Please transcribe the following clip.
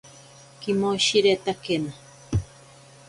Kimoshiretakena.